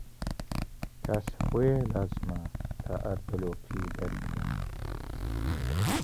کاسە بۆیە لازمە تا ئاردەڵۆکی دەربدا